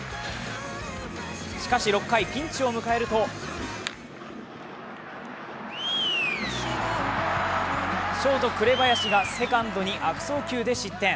しかし６回、ピンチを迎えるとショート・紅林がセカンドに悪送球で失点。